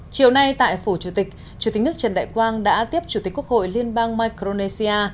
chiều nay tại phủ chủ tịch chủ tịch nước trần đại quang đã tiếp chủ tịch quốc hội liên bang micronesia